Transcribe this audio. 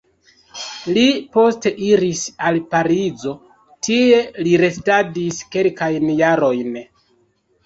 Li poste iris al Parizo, tie li restadis kelkajn jarojn.